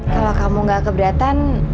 kalau kamu gak keberatan